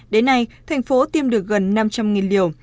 đến nay thành phố tiêm được gần năm trăm linh liều